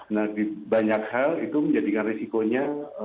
nah banyak hal itu menjadikan risikonya